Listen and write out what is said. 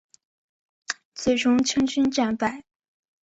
最终清军战败。